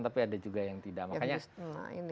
tapi ada juga yang tidak makanya